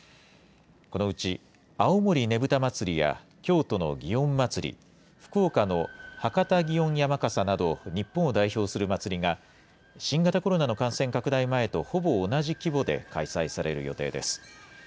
このうち、青森ねぶた祭や京都の祇園祭、福岡の博多祇園山笠など、日本を代表する祭りが、新型コロナの感染拡大前とほぼ同じ規模で開催される予定です。